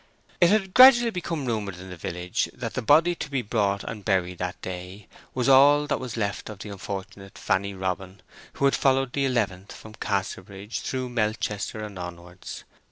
It had gradually become rumoured in the village that the body to be brought and buried that day was all that was left of the unfortunate Fanny Robin who had followed the Eleventh from Casterbridge through Melchester and onwards.